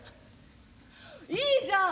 いいじゃん。